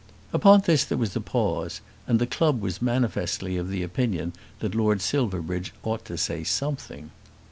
Upon this there was a pause, and the club was manifestly of opinion that Lord Silverbridge ought to say something.